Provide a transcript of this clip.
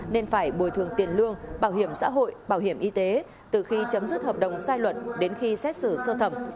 nên phải bồi thường tiền lương bảo hiểm xã hội bảo hiểm y tế từ khi chấm dứt hợp đồng sai luật đến khi xét xử sơ thẩm